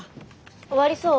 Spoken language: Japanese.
終わりそう？